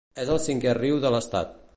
És el cinquè riu de l'estat.